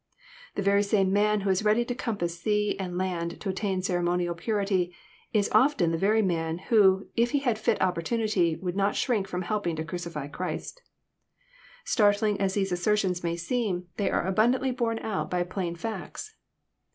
The very same man who is ready to compass sea and land to attain ceremonial purity is often the very man, who, if he had fit opportunity, would not shrink from helping to crucify Christ. Startling as these asser tions may seem, they are abundantly borne out by plain facts.